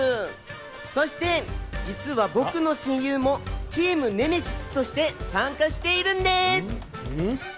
そして実は僕の親友もチームネメシスとして参加しているんです。